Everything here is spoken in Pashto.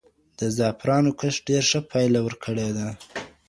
د زعفرانو کښت ډېره ښه پایله ورکړې ده.